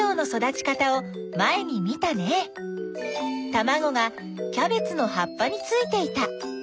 たまごがキャベツのはっぱについていた。